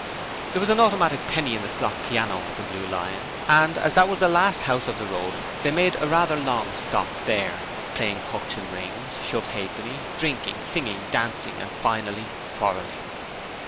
There was an automatic penny in the slot piano at the Blue Lion and as that was the last house of the road they made a rather long stop there, playing hooks and rings, shove ha'penny, drinking, singing, dancing and finally quarrelling.